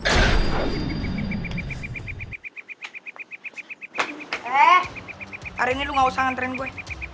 eh hari ini lu gak usah nganterin gue